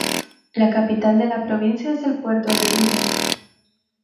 La capital de la provincia es el puerto de Ilo.